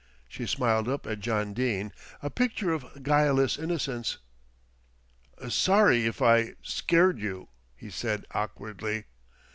She smiled up at John Dene, a picture of guileless innocence. "Sorry if I scared you," he said awkwardly.